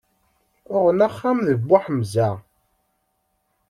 Uɣen axxam deg Buḥemza?